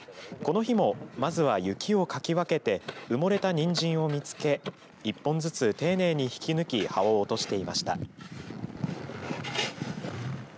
この日もまずは雪をかき分けて埋もれたにんじんを見つけ１本ずつ丁寧に引き抜き葉を落としていました。